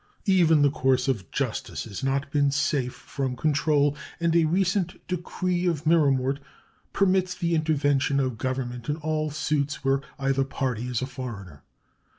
Even the course of justice has not been safe from control, and a recent decree of Miramort permits the intervention of Government in all suits where either party is a foreigner.